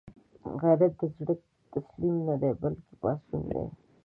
غیرت د زړه تسلیم نه دی، بلکې پاڅون دی